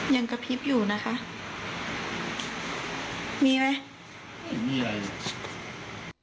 ยังกระพริบอยู่นะคะมีไหม